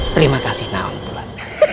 terima kasih nawak bulat